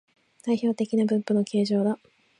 代表的な分布の形状だ